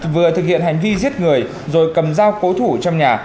vừa thực hiện hành vi giết người rồi cầm dao cố thủ trong nhà